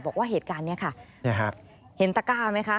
บอกว่าเหตุการณ์นี้ค่ะเห็นตะกร้าไหมคะ